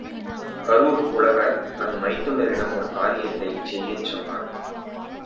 கரூர்ப் புலவர் தன் மைத்துனரிடம் ஒரு காரியத்தைச் செய்யச் சொன்னார்.